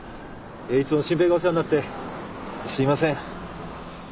いつも真平がお世話になってすいません。